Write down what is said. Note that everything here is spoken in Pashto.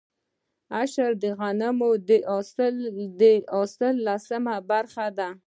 عشر د غنمو د حاصل لسمه برخه ده.